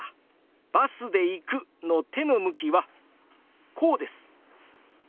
「バスで行く」の手の向きはこうです！